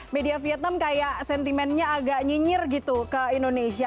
media vietnam kayak sentimennya agak nyinyir gitu ke indonesia